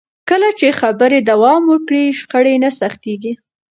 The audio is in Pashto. کله چې خبرې دوام وکړي، شخړې نه سختېږي.